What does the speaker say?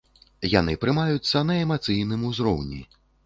Яны прымаюцца на эмацыйным узроўні.